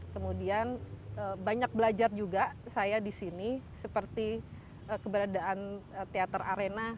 kemudian banyak belajar juga saya di sini seperti keberadaan teater arena